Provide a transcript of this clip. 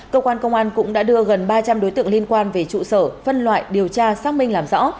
cơ quan công an cũng đã đưa gần ba trăm linh đối tượng liên quan về trụ sở phân loại điều tra xác minh làm rõ